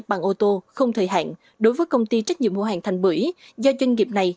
bằng ô tô không thời hạn đối với công ty trách nhiệm hữu hàng thành bưởi do doanh nghiệp này